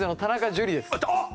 あっ！